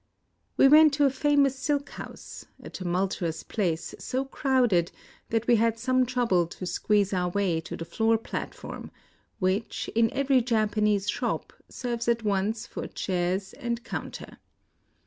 We went to a famous silk house, — a tumultuous place, so crowded that we had some trouble to squeeze our way to the floor platform, which, in every Japanese shop, serves at once for chairs and counter.